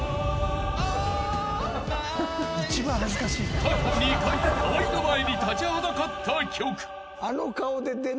［過去２回河合の前に立ちはだかった曲］